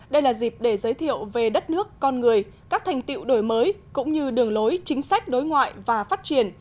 đây là dịp để giới thiệu về đất nước con người các thành tiệu đổi mới cũng như đường lối chính sách đối ngoại và phát triển